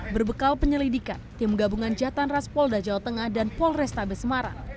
berbekal penyelidikan tim gabungan jahatan raspolda jawa tengah dan polresta besmarang